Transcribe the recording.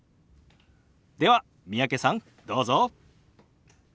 では三宅さんどうぞ。